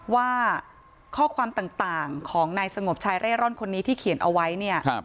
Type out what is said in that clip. ว่าข้อความต่างของนายสงบชายเร่ร่อนคนนี้ที่เขียนเอาไว้เนี่ย